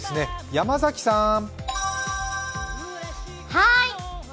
山崎さん。